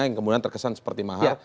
yang kemudian terkesan seperti mahal